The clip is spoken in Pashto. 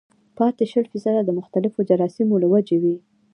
پاتې شل فيصده د مختلفو جراثيمو له وجې وي